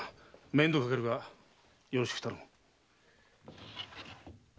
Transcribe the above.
面倒かけるがよろしく頼む。